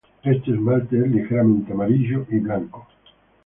Este esmalte es ligeramente amarillo y blanco.